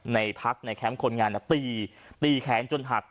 ในพักในแคมป์คนงานตีตีแขนจนหัก